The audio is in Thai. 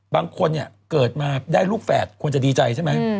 บางคนเนี่ยเกิดมาได้ลูกแฝดควรจะดีใจใช่ไหม